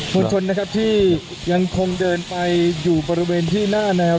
มวลชนนะครับที่ยังคงเดินไปอยู่บริเวณที่หน้าแนว